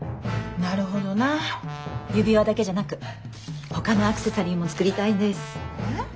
指輪だけじゃなくほかのアクセサリーも作りたいんです。